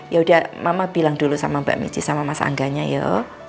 yaudah mama bilang dulu sama mbak michi sama mas angganya yuk